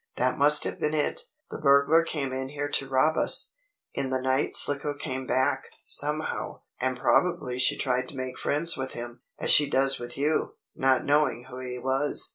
"That must have been it. The burglar came in here to rob us. In the night Slicko came back, somehow, and probably she tried to make friends with him, as she does with you, not knowing who he was.